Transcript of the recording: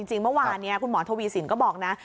จริงเมื่อวานนี้คุณหมอทวีสินก็บอกนะ